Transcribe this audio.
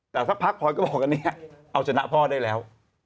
แต่สักพักพลอยก็บอกอันนี้เอาชนะพ่อได้แล้ว